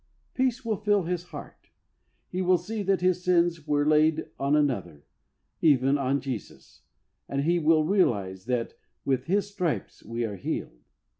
Peace will fill his heart. He will see that his sins were laid on another, even on Jesus, and he will realise that ''with His stripes we are healed."